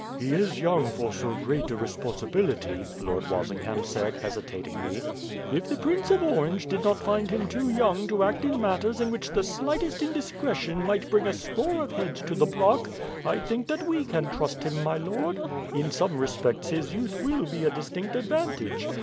"He is young for so great a responsibility," Lord Walsingham said hesitatingly. "If the Prince of Orange did not find him too young to act in matters in which the slightest indiscretion might bring a score of heads to the block, I think that we can trust him, my lord. In some respects his youth will be a distinct advantage.